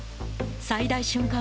最大瞬間